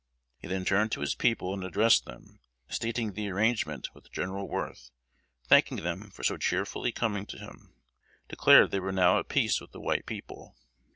He then turned to his people and addressed them, stating the arrangement with General Worth, thanking them for so cheerfully coming to him, declared they were now at peace with the white people.